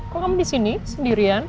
kok kamu disini sendirian